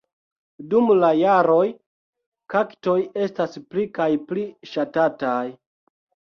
Dum la jaroj kaktoj estas pli kaj pli ŝatataj.